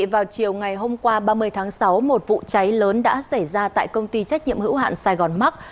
vào chiều ngày hôm qua ba mươi tháng sáu một vụ cháy lớn đã xảy ra tại công ty trách nhiệm hữu hạn sài gòn mark